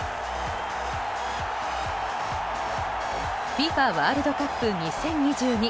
ＦＩＦＡワールドカップ２０２２。